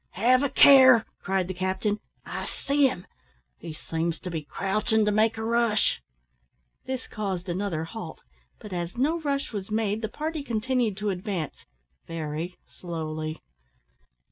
"Have a care," cried the captain; "I see him. He seems to be crouchin' to make a rush." This caused another halt; but as no rush was made, the party continued to advance very slowly.